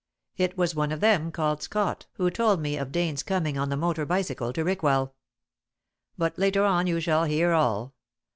It was one of them called Scott who told me of Dane's coming on the motor bicycle to Rickwell. But later on you shall hear all.